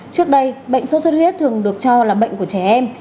trước đây bệnh sốt xuất huyết thường được cho là bệnh của trẻ em